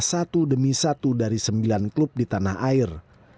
satu demi satu dari sembilan klub di tanah air